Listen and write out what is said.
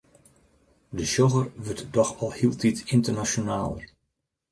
De sjogger wurdt doch al hieltyd ynternasjonaler.